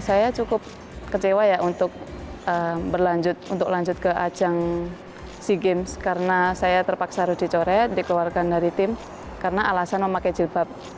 saya cukup kecewa ya untuk lanjut ke ajang sea games karena saya terpaksa harus dicoret dikeluarkan dari tim karena alasan memakai jilbab